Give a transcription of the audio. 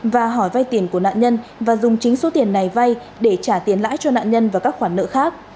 và hỏi vay tiền của nạn nhân và dùng chính số tiền này vay để trả tiền lãi cho nạn nhân và các khoản nợ khác